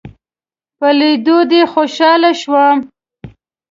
په ليدو دې خوشحاله شوم